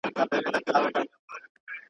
چا مي وویل په غوږ کي.